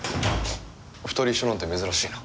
２人一緒なんて珍しいな。